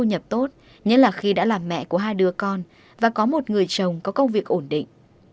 không có thu nhập tốt nhất là khi đã là mẹ của hai đứa con và có một người chồng có công việc ổn định